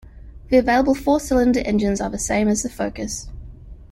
The available four-cylinder engines are the same as the Focus.